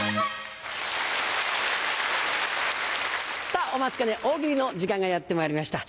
さぁお待ちかね大喜利の時間がやってまいりました。